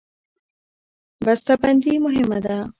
بسته بندي مهمه ده.